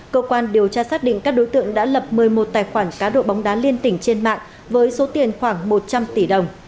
cơ quan điều tra xác định các đối tượng đã lập một mươi một tài khoản cá độ bóng đá liên tỉnh trên mạng với số tiền khoảng một trăm linh tỷ đồng